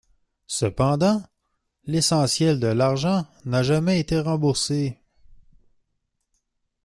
Cependant, l'essentiel de l'argent n'a jamais été remboursé.